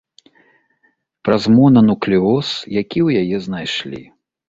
Праз монануклеоз, які ў яе знайшлі.